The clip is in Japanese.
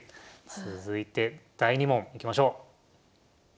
続いて第２問いきましょう。